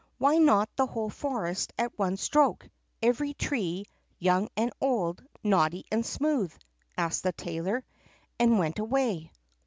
"Why not the whole forest at one stroke, every tree, young and old, knotty and smooth?" asked the tailor, and went away.